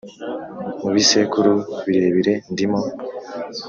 mu bisekuru birebire ndimo ,